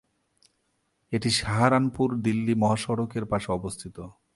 এটি সাহারানপুর-দিল্লি মহাসড়কের পাশে অবস্থিত।